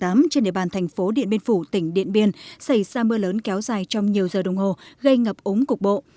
trên địa bàn thành phố điện biên phủ tỉnh điện biên xảy ra mưa lớn kéo dài trong nhiều giờ đồng hồ gây ngập úng cục bộ